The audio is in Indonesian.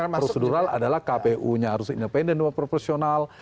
procedural adalah kpu nya harus independen dan proporsional